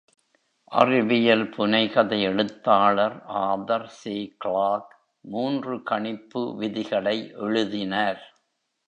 அறிவியல் புனைகதை எழுத்தாளர் Arthur C. Clarke மூன்று கணிப்பு விதிகளை எழுதினார்.